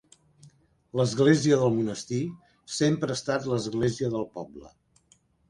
L'església del monestir sempre ha estat l'església del poble.